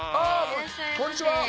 こんにちは。